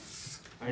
・はい。